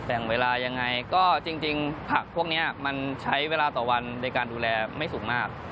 แต่งเวลายังไงก็จริงผักพวกนี้มันใช้เวลาต่อวันในการดูแลไม่สูงมาก